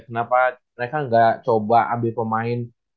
kenapa mereka nggak coba ambil pemain